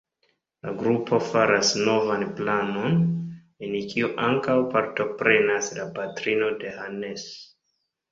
La grupo faras novan planon, en kiu ankaŭ partoprenas la patrino de Hannes.